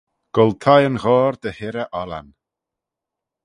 Goll thie yn ghoayr dy hirrey ollan